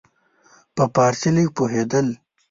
په فارسي لږ پوهېدل.